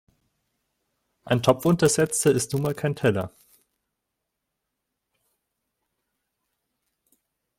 Ein Topfuntersetzer ist nun mal kein Teller.